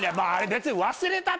別に。